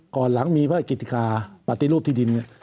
ก่อนหลังมีพระกิติกาปฏิรูปที่ดินเนี่ย